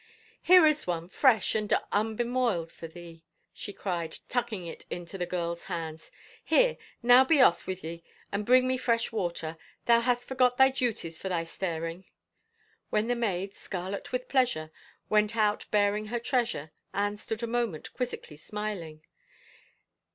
" Here is one, fresh and unbemoiled for thee," she cried, tucking it into the girl's hands. " Here, now be off with thee and bring me fresh water. Thou hast for got thy duties for thy staring !" When the maid, scarlet with pleasure, went out bearing her treasure, Anne stood a moment quizzically smiling.